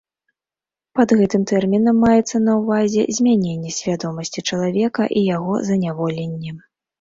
Пад гэтым тэрмінам маецца на ўвазе змяненне свядомасці чалавека і яго заняволенне.